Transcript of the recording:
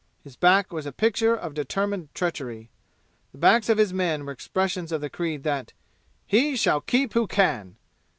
His back was a picture of determined treachery the backs of his men were expressions of the creed that "He shall keep who can!"